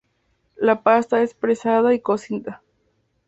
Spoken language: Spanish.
La pasta es prensada y cocida.